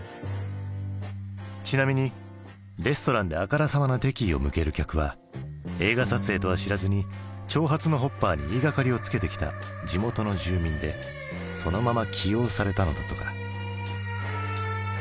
ちなみにレストランであからさまな敵意を向ける客は映画撮影とは知らずに長髪のホッパーに言いがかりをつけてきた地元の住民でそのまま起用されたのだとか。